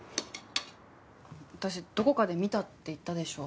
私どこかで見たって言ったでしょ？